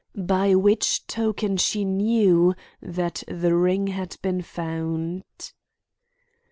By which token she knew that the ring had been found.